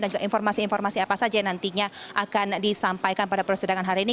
dan juga informasi informasi apa saja yang nantinya akan disampaikan pada persidangan hari ini